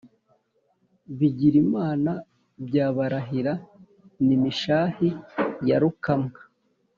Bigilimana bya Barahira ni Mishahi-ya-rukamwa